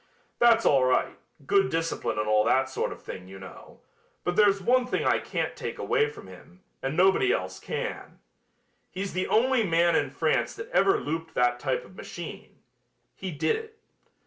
That's all right, good discipline and all that sort of thing, you know, but there's one thing I can't take away from him, and nobody else can. He's the only man in France that ever looped that type of machine. He did it.